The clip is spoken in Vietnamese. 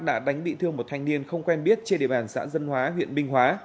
đã đánh bị thương một thanh niên không quen biết trên địa bàn xã dân hóa huyện minh hóa